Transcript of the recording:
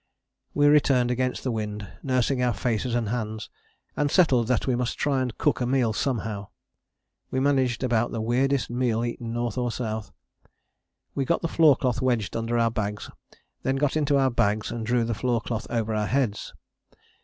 We returned against the wind, nursing our faces and hands, and settled that we must try and cook a meal somehow. We managed about the weirdest meal eaten north or south. We got the floor cloth wedged under our bags, then got into our bags and drew the floor cloth over our heads.